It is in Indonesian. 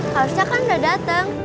kalau sejak kan udah dateng